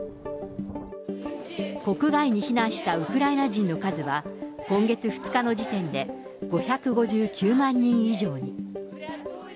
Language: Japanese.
国外に避難したウクライナ人の数は、今月２日の時点で、５５９万人以上に。